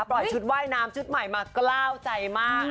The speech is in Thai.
ชุดว่ายน้ำชุดใหม่มากล้าวใจมาก